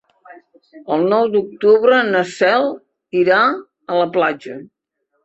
El nou d'octubre na Cel irà a la platja.